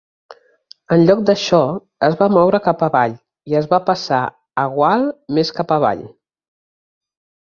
En lloc d'això, es va moure cap avall i es va passar a gual més cap avall.